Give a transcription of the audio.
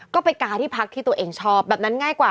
ก็ไปกาที่พักที่ตัวเองชอบแบบนั้นง่ายกว่า